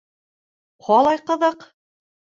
— Ҡалай ҡыҙыҡ!